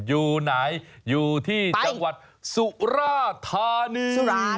อยู่ไหนอยู่ที่จังหวัดสุราธานี